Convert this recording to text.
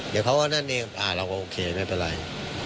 เดี๋ยวเขาก็นั่นเองเราก็โอเคไม่เป็นไร